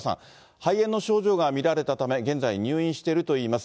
肺炎の症状が見られたため、現在入院しているといいます。